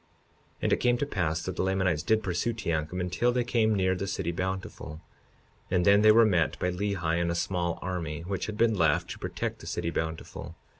52:27 And it came to pass that the Lamanites did pursue Teancum until they came near the city Bountiful, and then they were met by Lehi and a small army, which had been left to protect the city Bountiful.